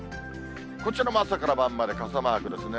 こちらも朝から晩まで傘マークですね。